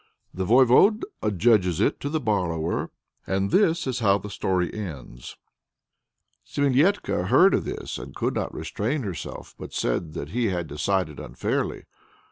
The Voyvode adjudges it to the borrower, and this is how the story ends: "Semilétka heard of this and could not restrain herself, but said that he had decided unfairly.